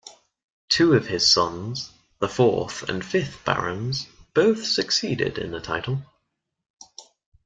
Two of his sons, the fourth and fifth Barons, both succeeded in the title.